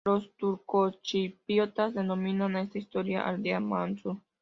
Los turcochipriotas denominan a esta histórica aldea Mansur.